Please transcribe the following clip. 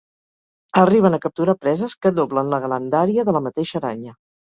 Arriben a capturar preses que doblen la grandària de la mateixa aranya.